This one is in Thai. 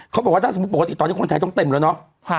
เขาบอกว่าถ้าสมมุติปกติตอนนี้คนไทยต้องเต็มแล้วเนาะ